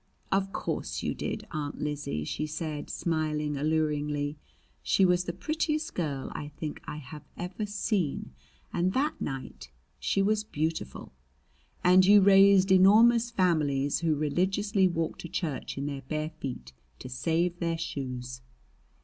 "Of course you did, Aunt Lizzie," she said, smiling alluringly. She was the prettiest girl I think I have ever seen, and that night she was beautiful. "And you raised enormous families who religiously walked to church in their bare feet to save their shoes!"